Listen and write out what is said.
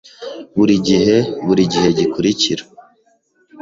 Burigihe burigihe gikurikira.